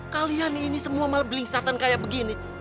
kalian ini semua malah belingsatan kayak begini